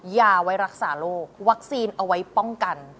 ยาไว้รักษาโรควัคซีนเอาไว้ป้องกัน